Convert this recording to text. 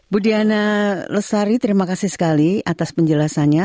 budiana lesari terima kasih sekali atas penjelasannya